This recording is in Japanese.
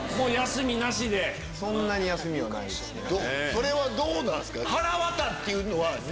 それはどうなんすか？